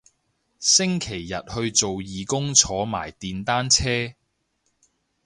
星期日去做義工坐埋電單車